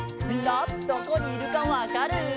みんなどこにいるかわかる？